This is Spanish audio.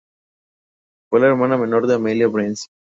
Fue la hermana menor de Amelia Bence.